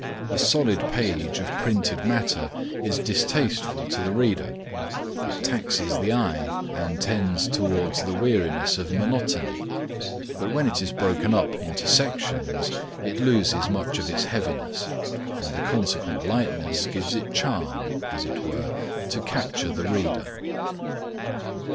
A solid page of printed matter is distasteful to the reader; it taxes the eye and tends towards the weariness of monotony, but when it is broken up into sections it loses much of its heaviness and the consequent lightness gives it charm, as it were, to capture the reader.